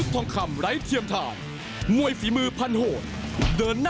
แต่ว่ากลับมาสอนมวยรุ่นน้องเต็มที่เลยนะ